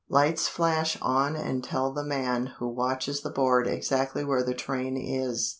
Lights flash on and tell the man who watches the board exactly where the train is.